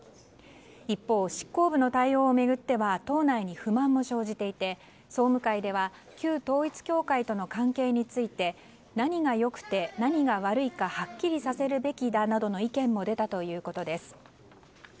一方、執行部の対応を巡っては党内に不満も生じていて総務会では旧統一教会との関係について何が良くて何が悪いかはっきりさせるべきだなどの意見も出たということです。